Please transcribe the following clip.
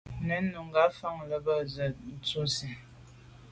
Tɔ̌ ngɔ́ nùngà mfɛ̀n lá bə́ zə̄ à’ bə́ á dʉ̀’ nsí.